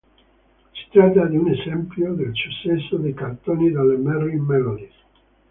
Si tratta di un esempio del successo dei cartoni delle Merrie Melodies.